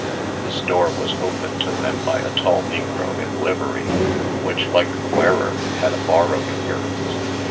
This door was opened to them by a tall negro in livery, which, like the wearer, had a borrowed appearance.